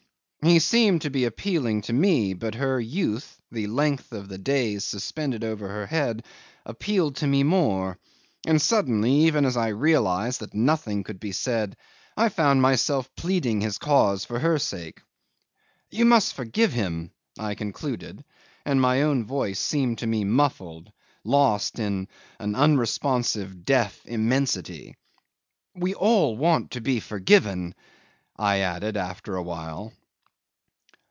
He seemed to be appealing to me, but her youth, the length of the days suspended over her head, appealed to me more; and suddenly, even as I realised that nothing could be said, I found myself pleading his cause for her sake. "You must forgive him," I concluded, and my own voice seemed to me muffled, lost in an irresponsive deaf immensity. "We all want to be forgiven," I added after a while.